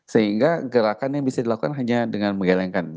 sehingga gerakan yang bisa dilakukan hanya dengan menggalengkan